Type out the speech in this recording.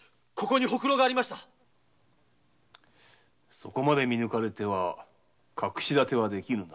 そこまで見抜かれては隠し立てはできぬな。